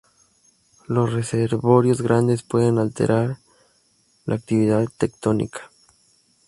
Los reservorios grandes pueden alterar la actividad tectónica.